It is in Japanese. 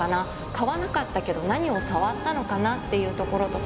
買わなかったけど何をさわったのかな？っていうところとかも含めて。